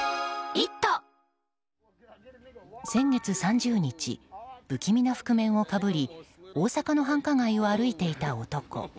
先月３０日不気味な覆面をかぶり大阪の繁華街を歩いていた男。